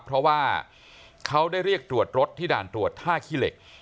เพราะว่าเขาได้เรียกตรวจรถที่ด่านตรวจท่าขี้เหล็ก